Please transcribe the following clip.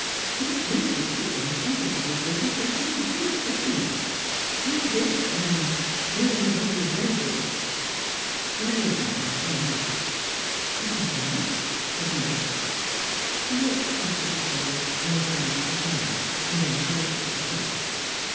It appears to keep one comfortably busy just to exist, doesn't it? — To exist and — er — clear away the debris. Where is Mother, anyway! "'' I don't know," said Milly. She walked across to the stove and replenished the fire. Then she looked at the clock.